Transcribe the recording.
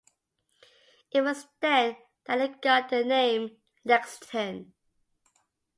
It was then that it got the name Lexington.